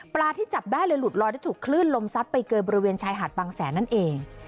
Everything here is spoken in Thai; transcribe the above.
ที่จับได้เลยหลุดลอยได้ถูกคลื่นลมซัดไปเกยบริเวณชายหาดบางแสนนั่นเอง